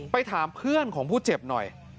ถามเพื่อนของผู้เจ็บหน่อย